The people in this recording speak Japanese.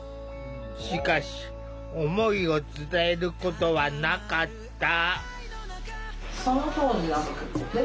しかし思いを伝えることはなかった。